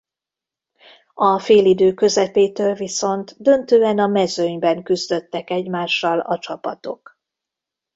A félidő közepétől viszont döntően a mezőnyben küzdöttek egymással a csapatok.